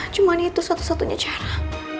cuma itu satu satunya cara